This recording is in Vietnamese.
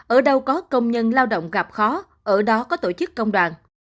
ở đâu có công nhân lao động gặp khó ở đó có tổ chức công đoàn